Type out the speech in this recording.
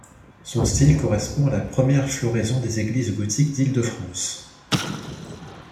Son style correspond à la première floraison des églises gothiques d'Île-de-France.